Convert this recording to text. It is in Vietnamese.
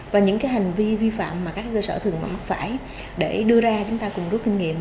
và những hành vi vi phạm mà các cơ sở thường mỏ phải để đưa ra chúng ta cùng rút kinh nghiệm